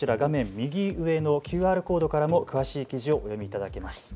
右上のＱＲコードからも詳しい記事をお読みいただけます。